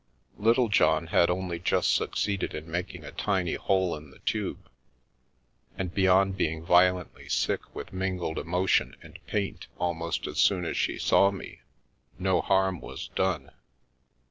Littlejohn had only just succeeded in making a tiny hole in the tube, and beyond being violently sick with mingled emotion and paint, almost as soon as she saw me, no harm was done.